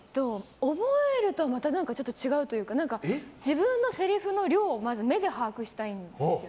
覚えるとはまた違うというか何か自分のせりふの量を目で把握したいんですよ。